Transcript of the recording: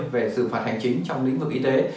về xử phạt hành chính trong lĩnh vực y tế